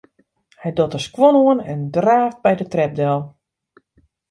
Hy docht de skuon oan en draaft by de trep del.